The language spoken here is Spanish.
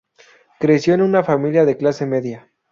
Creció en una familia de clase media.